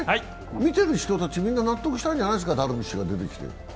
見てる人たちみんな納得したんじゃないですか、ダルビッシュ出てきたときに。